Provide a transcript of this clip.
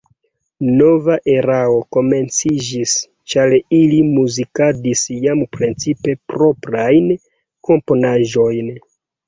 Nova erao komenciĝis, ĉar ili muzikadis jam precipe proprajn komponaĵojn.